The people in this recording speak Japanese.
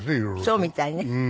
そうみたいね。